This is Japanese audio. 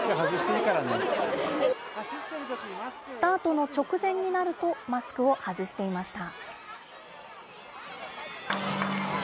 スタートの直前になると、マスクを外していました。